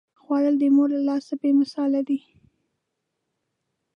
خوړل د مور له لاسه بې مثاله دي